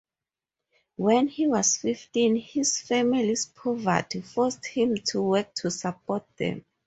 When he was fifteen, his family's poverty forced him to work to support them.